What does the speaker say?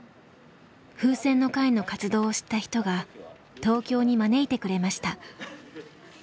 ふうせんの会の活動を知った人が東京に招いてくれました。